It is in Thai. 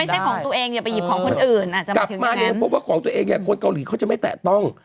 ไม่ใช่ของตัวเองอย่าไปหยิบของคนอื่นอ่ะจะมาถึงแค้นกลับมาเนี่ยพบว่าของตัวเองเนี่ยคนเกาหลีเขาจะไม่แตะต้อง